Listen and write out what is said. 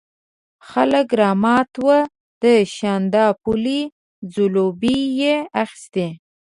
خلک رامات وو، د شانداپولي ځلوبۍ یې اخيستې.